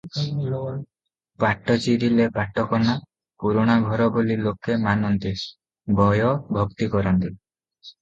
ପାଟ ଚିରିଲେ ପାଟ କନା, ପୁରୁଣା ଘର ବୋଲି ଲୋକେ ମାନନ୍ତି, ଭୟ ଭକ୍ତି କରନ୍ତି ।